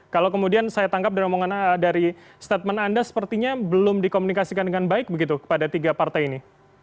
kalau kemudian saya tangkap dan dari statement anda sepertinya belum dikomunikasikan dengan baik begitu kepada tiga partai ini